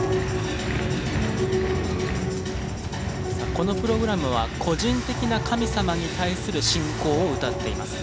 このプログラムは個人的な神様に対する信仰を歌っています。